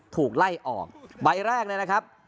ถูกไล่ออกใบแรกเลยนะครับ